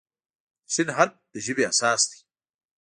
د "ش" حرف د ژبې اساس دی.